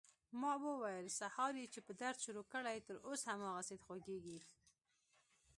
ما وويل سهار يې چې په درد شروع کړى تر اوسه هماغسې خوږېږي.